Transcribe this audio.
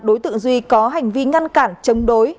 đối tượng duy có hành vi ngăn cản chống đối